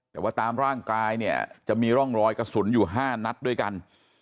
แต่ว่าตามร่างกายเนี่ยจะมีร่องรอยกระสุนอยู่๕นัดด้วยกัน